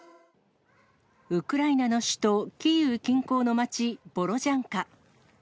ウクライナの首都キーウ近郊の町ボロジャンカ。